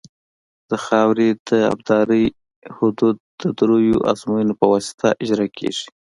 د خاورې د ابدارۍ حدود د دریو ازموینو په واسطه اجرا کیږي